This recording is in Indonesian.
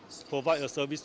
untuk memberikan perkhidmatan